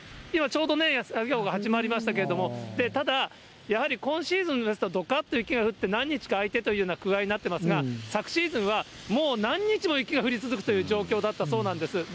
今ちょうど作業が始まりましたけれども、ただやはり今シーズンですと、どかっと雪が降って、何日か空いてというような具合になってますが、昨シーズンはもう何日も雪が降り続くというような状況だったそうです。